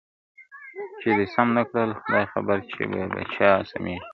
چي ده سم نه کړل خدای خبر چي به په چا سمېږي !.